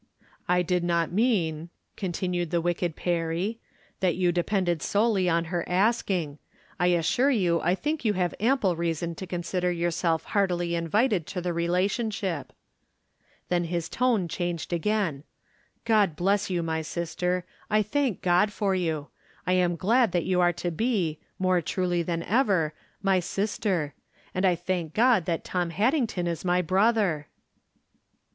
" I did not mean," continued the wicked Perry, that you depended solely on her asking. I as sure you I think you have ample reason to consider yourself heartily invited to the relationship." Then his tone changed again. " God bless you, my sister ! I thank God for you. I am glad that you are to be, more truly than ever, my sis ter. And I thank God that Tom Haddington is my brother."